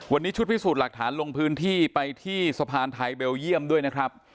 วันนี้ชุดพิสูจน์หลักฐานลงพื้นที่ไปที่สะพานไทยเบลเยี่ยมด้วยนะครับ